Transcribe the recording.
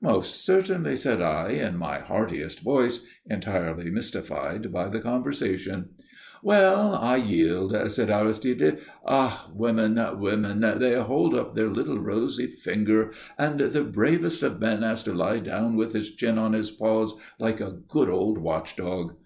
"Most certainly," said I, in my heartiest voice, entirely mystified by the conversation. "Well, I yield," said Aristide. "Ah, women, women! They hold up their little rosy finger, and the bravest of men has to lie down with his chin on his paws like a good old watch dog.